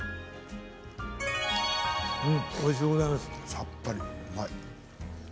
さっぱり、うまい。